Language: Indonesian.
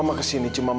kamil karena aku menang